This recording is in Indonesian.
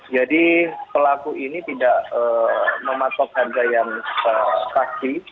pelaku ini tidak mematok harga yang pasti